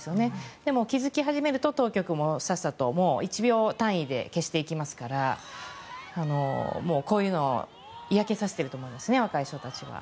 でも、気付き始めると当局も１秒単位で消していきますからこういうのに嫌気が差していると思いますね若い人たちは。